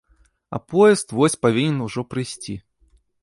А поезд вось павінен ужо прыйсці.